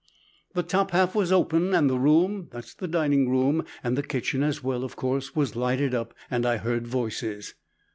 "The top half was open, and the room, that's the dining room, and the kitchen as well, of course, was lighted up and I heard voices.